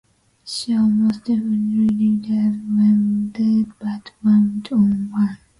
She almost defeated Lady Death when they battled one on one.